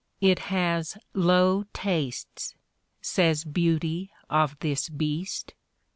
"It has low tastes," says Beauty of this Beast.